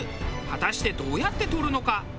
果たしてどうやって獲るのか？